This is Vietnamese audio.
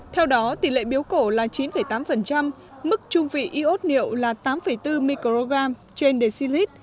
theo đó tỷ lệ biểu cổ là chín tám mức trung vị iốt niệu là tám bốn microgram trên decilit